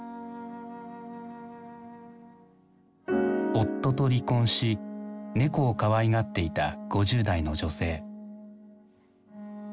夫と離婚し猫をかわいがっていた５０代の女性。